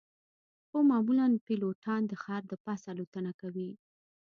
خو معمولاً پیلوټان د ښار د پاسه الوتنه کوي